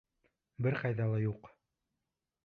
Бер ҡайҙа ла юҡ!